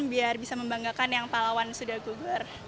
biar bisa membanggakan yang pahlawan sudah gugur